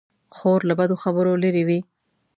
خور له بدو خبرو لیرې وي.